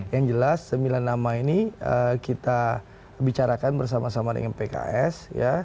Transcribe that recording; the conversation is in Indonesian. yang jelas sembilan nama ini kita bicarakan bersama sama dengan pks